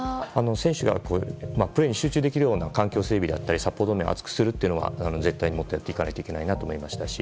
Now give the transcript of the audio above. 選手がプレーに集中できるような環境設備であったりサポート面を厚くするのは絶対にもっとやっていかないといけないなと思いましたし